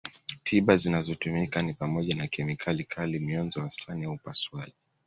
Tiba zinazotumika ni pamoja na kemikali kali mionzi wastani au upasuaji